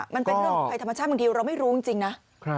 มันเป็นเรื่องของภัยธรรมชาติบางทีเราไม่รู้จริงนะ